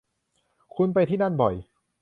คุณไปที่นั่นบ่อย